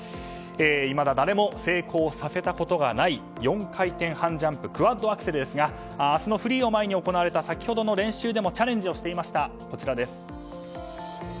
いまだ誰も成功させたことがない４回転半ジャンプクアッドアクセルですが明日のフリーを前に行われた先ほどの練習でもチャレンジしていました。